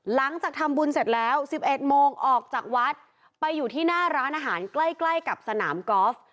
หลังจากทำบุญเสร็จแล้ว๑๑โมงออกจากวัดไปอยู่ที่หน้าร้านอาหารใกล้ใกล้กับสนามกอล์ฟ